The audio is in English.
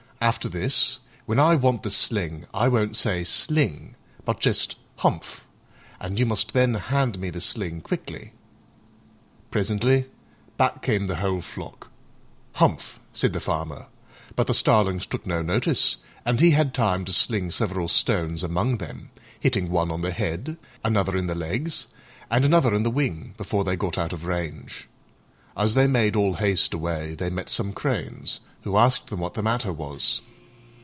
After this, when I want the sling, I won't say 'sling,' but just 'humph!' and you must then hand me the sling quickly." Presently back came the whole flock. "Humph!" said the Farmer; but the starlings took no notice, and he had time to sling several stones among them, hitting one on the head, another in the legs, and another in the wing, before they got out of range. As they made all haste away they met some cranes, who asked them what the matter was.